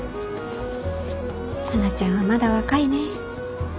華ちゃんはまだ若いね。